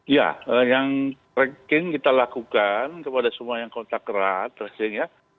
ya yang tracking kita lakukan kepada semua yang kontak erat tracing ya